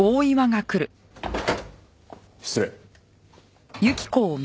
失礼。